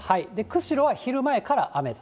釧路は昼前から雨と。